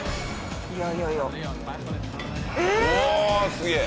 すげえ！